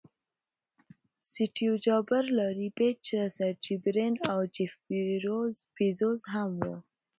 سټیو جابز، لاري پیج، سرجي برین او جیف بیزوز هم وو.